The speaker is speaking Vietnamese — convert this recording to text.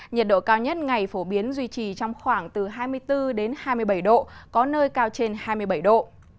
nhiệt độ cao nhất ngày phổ biến duy trì trong khoảng từ hai mươi bốn đến hai mươi bảy độ có nơi cao trên hai mươi bảy độ